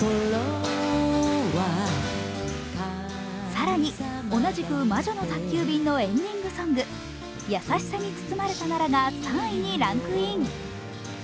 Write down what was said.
更に、同じく「魔女の宅急便」のエンディングソング「やさしさに包まれたなら」が３位にランクイン。